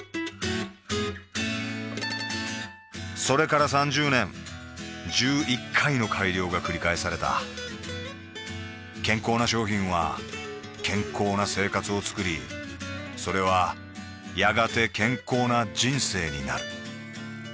それから３０年１１回の改良がくり返された健康な商品は健康な生活をつくりそれはやがて健康な人生になる